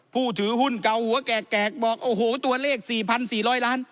ผู้ถือหุ้นเก่าหัวแกกบอกโอ้โหตัวเลข๔๔๐๐ล้าน